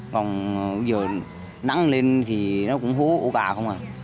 còn giờ nắng lên thì nó cũng hố ổ gà không à